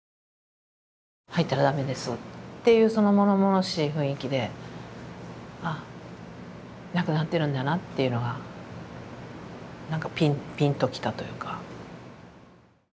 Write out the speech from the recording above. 「入ったら駄目です」っていうそのものものしい雰囲気であっ亡くなってるんだなっていうのが何かピンときたというか。